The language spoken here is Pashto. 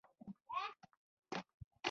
دا اولسي پوهه زېږوي.